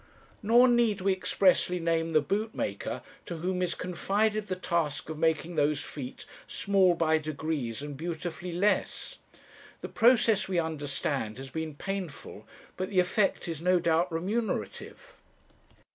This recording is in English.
Nor need we expressly name the bootmaker to whom is confided the task of making those feet 'small by degrees and beautifully less.' The process, we understand, has been painful, but the effect is no doubt remunerative.